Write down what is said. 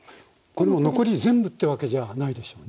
残り全部ってわけじゃないでしょうね。